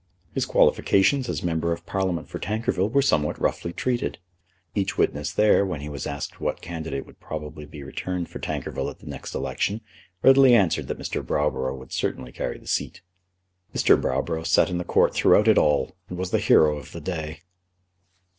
His qualifications as member of Parliament for Tankerville were somewhat roughly treated. Each witness there, when he was asked what candidate would probably be returned for Tankerville at the next election, readily answered that Mr. Browborough would certainly carry the seat. Mr. Browborough sat in the Court throughout it all, and was the hero of the day.